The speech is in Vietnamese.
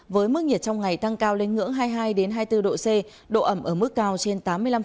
với mức nhiệt trong ngày tăng cao lên ngưỡng hai mươi hai hai mươi bốn độ c độ ẩm ở mức cao trên tám mươi năm